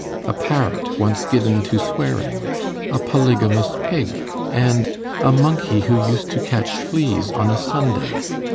_ A Parrot, once given to swearing!! A Polygamous Pig!!! and A Monkey who used to _catch fleas on a Sunday!!!!